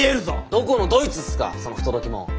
どこのどいつっすかその不届き者。